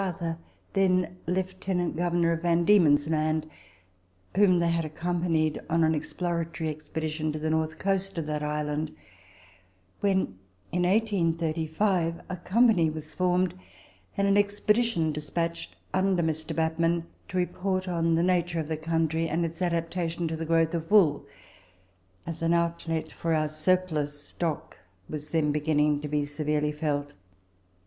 Arthur, then Lieutenant Governor of Van Diemen's Land, whom they had accompanied on an ex ploratory expedition to the north coast of that island), when in 1835 a company was formed, and an expedition despatched, under Mr. Batman, to report on the nature of the country and its adaptation to the growth of wool, as an outlet for our surplus stock was then beginning to be severely felt.